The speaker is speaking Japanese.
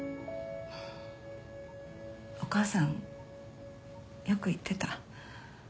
お母さんよく言ってた。